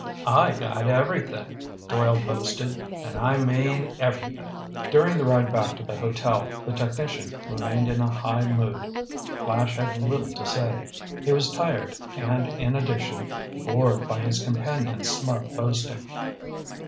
"I got everything," Doyle boasted, "and I mean everything!" During the ride back to the hotel, the technician remained in a high mood. Flash had little to say. He was tired, and in addition, bored by his companion's smug boasting.